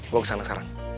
gue kesana sekarang